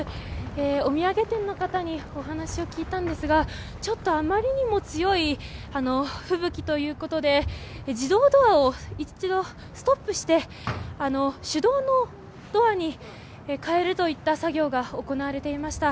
お土産店の方にお話を聞いたんですがちょっとあまりにも強い吹雪ということで自動ドアを一度、ストップして手動のドアに変えるといった作業が行われていました。